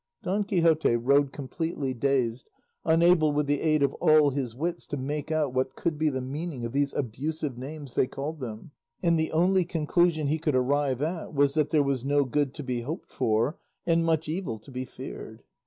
Don Quixote rode completely dazed, unable with the aid of all his wits to make out what could be the meaning of these abusive names they called them, and the only conclusion he could arrive at was that there was no good to be hoped for and much evil to be feared.